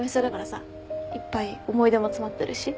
いっぱい思い出も詰まってるし。